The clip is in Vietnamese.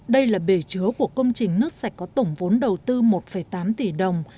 đây là bể chứa của công trình nước sạch có tổng vốn đầu tư một tám tỷ đồng